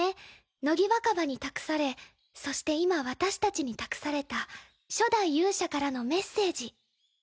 乃木若葉に託されそして今私たちに託された初代勇者からのメッセージ。